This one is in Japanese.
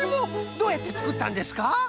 どうやってつくったんですか？